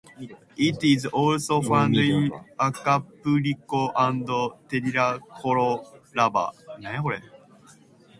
It is also found in Acapulco and Tierra Colorada.